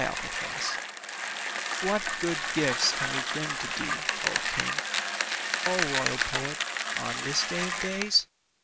February 27th) What good gifts can we bring to thee, O King, O royal poet, on this day of days